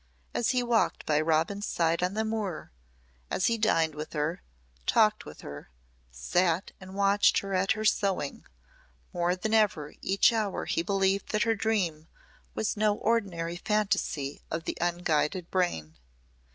As he walked by Robin's side on the moor, as he dined with her, talked with her, sat and watched her at her sewing, more than ever each hour he believed that her dream was no ordinary fantasy of the unguided brain.